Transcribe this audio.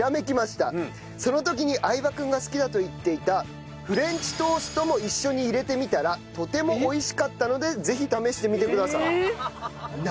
その時に相葉君が好きだと言っていたフレンチトーストも一緒に入れてみたらとても美味しかったのでぜひ試してみてください。